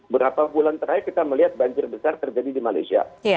berapa bulan terakhir kita melihat banjir besar terjadi di malaysia